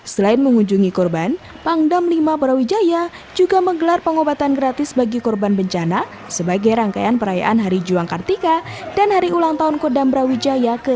selain mengunjungi korban pangdam lima brawijaya juga menggelar pengobatan gratis bagi korban bencana sebagai rangkaian perayaan hari juang kartika dan hari ulang tahun kodam brawijaya ke dua puluh